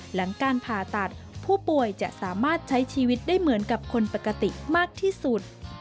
หลังการผ่าตัดผู้ป่วยจะสามารถใช้ชีวิตได้เหมือนกับคนปกติมากที่สุด